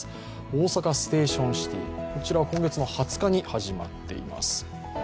大阪ステーションシティ、こちら今月の２０日に始まっています。